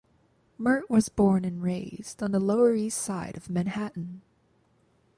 Marte was born and raised on the Lower East Side of Manhattan.